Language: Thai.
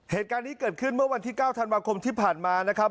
เหตุการณ์นี้เกิดขึ้นเมื่อวันที่๙ธันวาคมที่ผ่านมานะครับ